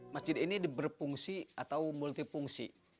masjid ini berfungsi atau multi fungsi